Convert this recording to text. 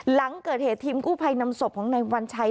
หลังเกิดเหตุทีมกู้ภัยนำศพของนายวัญชัย